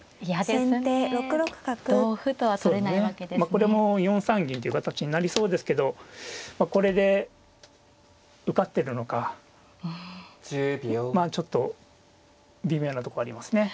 これも４三銀っていう形になりそうですけどまあこれで受かってるのかまあちょっと微妙なとこありますね。